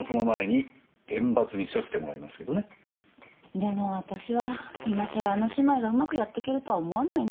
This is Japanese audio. でも私は今さらあの姉妹がうまくやってけるとは思わないな。